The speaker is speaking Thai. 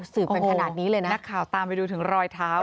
สืบกันขนาดนี้เลยนะนักข่าวตามไปดูถึงรอยเท้า